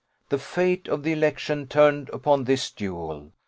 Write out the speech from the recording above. The fate of the election turned upon this duel.